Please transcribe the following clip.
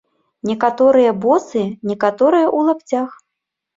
Некаторыя босыя, некаторыя ў лапцях.